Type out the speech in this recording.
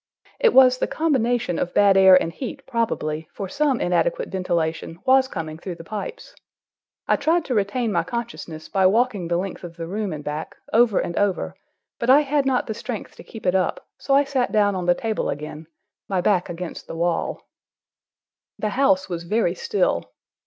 It was the combination of bad air and heat, probably, for some inadequate ventilation was coming through the pipes. I tried to retain my consciousness by walking the length of the room and back, over and over, but I had not the strength to keep it up, so I sat down on the table again, my back against the wall. The house was very still.